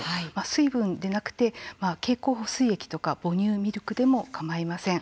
水分でなくて経口補水液とか母乳ミルクでもかまいません。